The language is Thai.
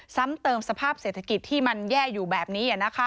ซ้ำเติมสภาพเศรษฐกิจที่มันแย่อยู่แบบนี้